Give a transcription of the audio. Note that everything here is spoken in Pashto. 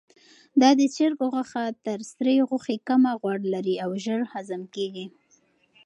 دا د چرګ غوښه تر سرې غوښې کمه غوړ لري او ژر هضم کیږي.